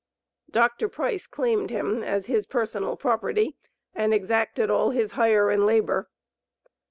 Dr. Price claimed him as his personal property, and exacted all his hire and labor.